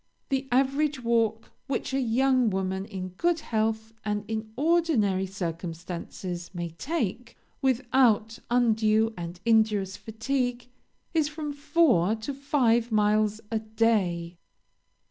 The average walk which a young woman in good health and in ordinary circumstances, may take, without undue and injurious fatigue, is from four to five miles a day.